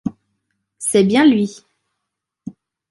C’est bien lui !